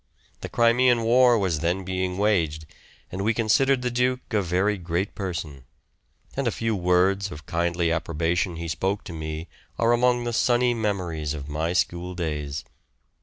The Crimean war was then being waged, and we considered the duke a very great person; and a few words of kindly approbation he spoke to me are among the sunny memories of my school days.